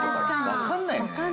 わかんないよね。